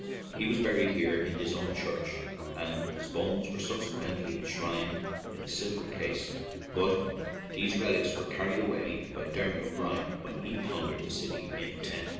He was buried here in his own church, and his bones were subsequently enshrined in a silver case; but these relics were carried away by Dermot O'Brien when he plundered the city in 1089.